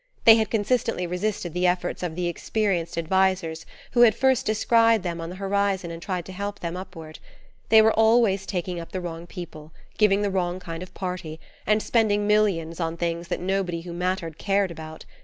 They had consistently resisted the efforts of the experienced advisers who had first descried them on the horizon and tried to help them upward. They were always taking up the wrong people, giving the wrong kind of party, and spending millions on things that nobody who mattered cared about.